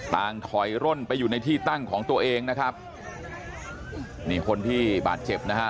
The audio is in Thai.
ถอยร่นไปอยู่ในที่ตั้งของตัวเองนะครับนี่คนที่บาดเจ็บนะฮะ